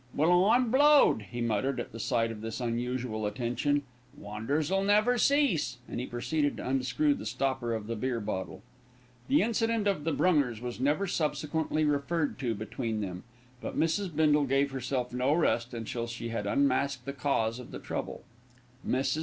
"Well, I'm blowed!" he muttered, at the sight of this unusual attention. "Wonders'll never cease," and he proceeded to unscrew the stopper of the beer bottle. The incident of the Brungers was never subsequently referred to between them; but Mrs. Bindle gave herself no rest until she had unmasked the cause of all the trouble. Mrs.